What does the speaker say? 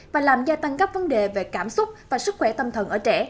và làm gia tăng các vấn đề về cảm xúc và sức khỏe tâm thần ở trẻ